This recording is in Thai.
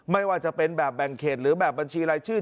ไม่ว่าจะเป็นแบบแบ่งเขตหรือแบบบัญชีรายชื่อ